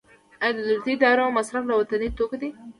د دولتي ادارو مصرف له وطني توکو دی